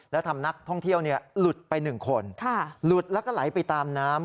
แล้วทำนักท่องเที่ยวหลุดไป๑คนหลุดแล้วก็ไหลไปตามน้ำ